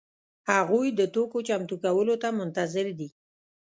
هغوی د توکو چمتو کولو ته منتظر دي.